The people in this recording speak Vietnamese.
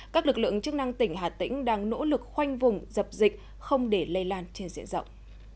các lực lượng chức năng tỉnh hà tĩnh đang nỗ lực khoanh vùng dập dịch không để lây lan trên diện rộng